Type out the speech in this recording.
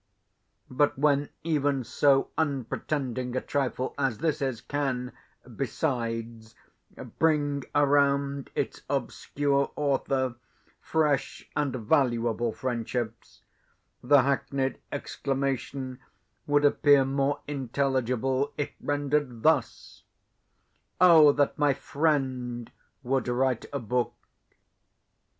But when even so unpretending a trifle as this is, can, besides, bring around its obscure author fresh and valuable friendships, the hackneyed exclamation would appear more intelligible if rendered thus: "Oh, that my friend would write a book!"